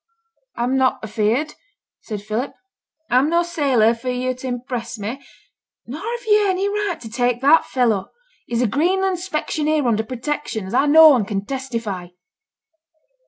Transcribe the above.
'I'm not afeared,' said Philip; 'I'm no sailor for yo' t' impress me: nor have yo' any right to take that fellow; he's a Greenland specksioneer, under protection, as I know and can testify.'